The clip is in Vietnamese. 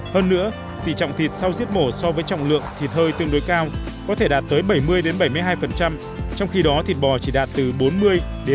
hơn nữa thị trọng thịt sau giết mổ so với trọng lượng thịt hơi tương đối cao có thể đạt tới bảy mươi bảy mươi hai trong khi đó thịt bò chỉ đạt từ bốn mươi bốn mươi năm